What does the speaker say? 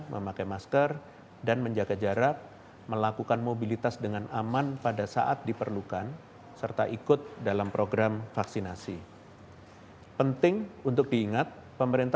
memakai masker dan menjaga jarak dan menjaga kesehatan